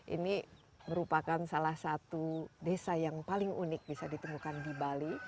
ini merupakan salah satu desa yang paling unik bisa ditemukan di bali